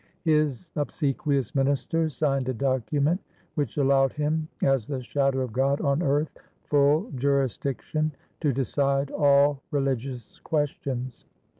His obsequious ministers signed a document which allowed him as the shadow of God on earth full jurisdiction to decide all religious questions.